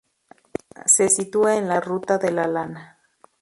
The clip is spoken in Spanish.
Se sitúa en la ruta de la Lana.